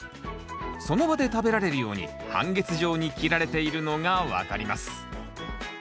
その場で食べられるように半月状に切られているのが分かります。